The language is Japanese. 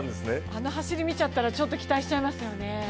あの走りを見ちゃったら、ちょっと期待しちゃいますよね。